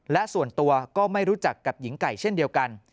และส่วนตัวก็ไม่รู้จักกับหญิงไก่เช่นเดียวกัน